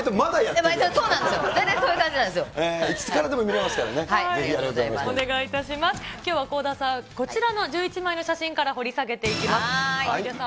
きょうは倖田さん、こちらの１１枚の写真から掘り下げていきます。